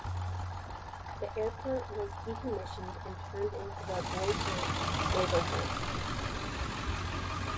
The airport was decommissioned and turned into the Bois-Franc neighbourhood.